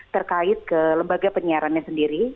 terkait ke lembaga penyiarannya sendiri